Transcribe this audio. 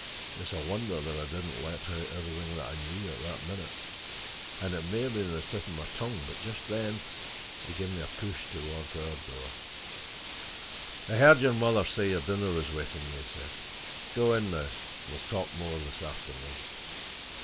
It's a wonder that I didn't let out everything that I knew at that minute. And it may have been on the tip of my tongue, but just then he gave me a push towards our door. "I heard your mother say your dinner was waiting you," he said. "Go in, now; we'll talk more this afternoon."